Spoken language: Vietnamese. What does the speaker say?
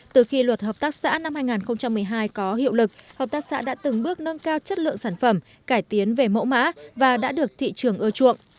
từ khi luật hợp tác xã năm hai nghìn một mươi hai có hiệu lực hợp tác xã đã từng bước nâng cao chất lượng sản phẩm cải tiến về mẫu mã và đã được thị trường ưa chuộng